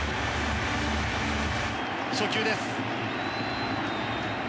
初球です。